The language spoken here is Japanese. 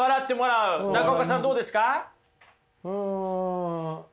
うん。